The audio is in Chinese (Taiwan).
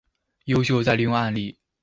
優秀再利用案例